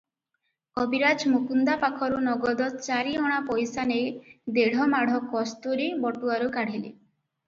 କବିରାଜ ମୁକୁନ୍ଦା ପାଖରୁ ନଗଦ ଚାରିଅଣା ପଇସା ନେଇ ଦେଢ଼ ମାଢ଼ କସ୍ତୁରୀ ବଟୁଆରୁ କାଢ଼ିଲେ ।